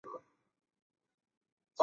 妻子是日本著名柔道运动员谷亮子。